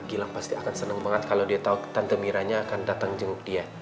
gilang pasti akan senang banget kalau dia tahu tante miranya akan datang jenguk dia